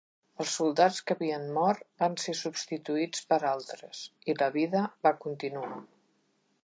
Els soldats que havien mort van ser substituïts per altres, i la vida va continuar.